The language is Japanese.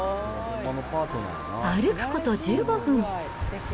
歩くこと１５分。